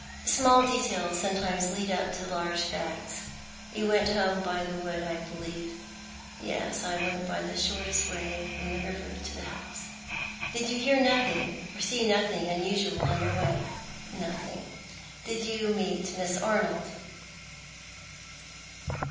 " Small details sometimes lead up to large facts. You went home by the wood, I believe ?" "Yes, I went by the shortest way from the river to the house." "Bid you hear nothing, or see nothing unusual on your way ?"" Nothing." •' Did you meet Miss Arnold